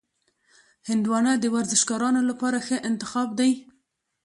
هندوانه د ورزشکارانو لپاره ښه انتخاب دی.